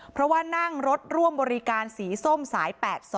เพราะว่านั่งรถร่วมบริการสีส้มสาย๘๒